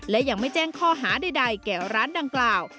และยังไม่แจ้งข้อหาใดแก่ร้านดังกล่าว